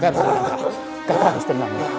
kau harus tenang